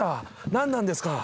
何なんですか？